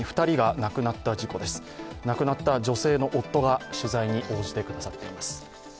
亡くなった女性の夫が取材に応じてくださっています。